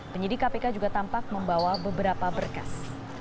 penyidik kpk juga tampak membawa beberapa berkas